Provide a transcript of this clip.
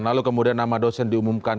lalu kemudian nama dosen diumumkan